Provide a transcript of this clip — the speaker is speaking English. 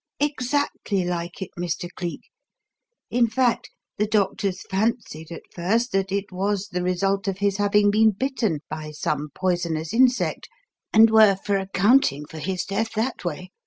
"Exactly like it, Mr. Cleek. In fact, the doctors fancied at first that it was the result of his having been bitten by some poisonous insect, and were for accounting for his death that way.